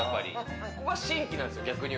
ここは新規なんですよ。